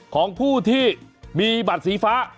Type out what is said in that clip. ของผู้ที่มีบัตรสีฟ้า